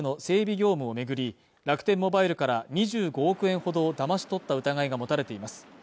業務を巡り、楽天モバイルから２５億円ほどを騙し取った疑いが持たれています